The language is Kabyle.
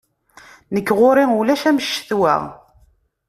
Nekk ɣur-i ulac am ccetwa.